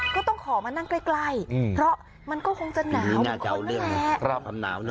ก็ต้องขอมานั่งใกล้เพราะมันก็คงจะหนาวเหมือนคนแม้